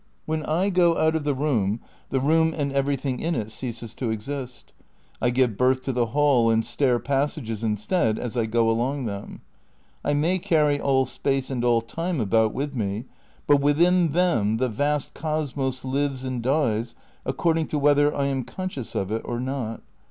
When I go out of the room, the room and everything in it ceases to exist; I give birth to the hall and stair passages instead as I go along them. I may carry all space and all time about with me, but within them the vast cosmos lives and dies according to whether I am conscious of it or not.